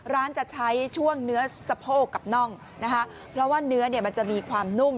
ร้านจะใช้ช่วงเนื้อสะโพกกับน่องนะคะเพราะว่าเนื้อเนี่ยมันจะมีความนุ่ม